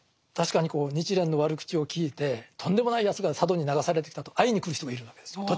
確かに日蓮の悪口を聞いてとんでもないやつが佐渡に流されてきたと会いに来る人がいるわけです。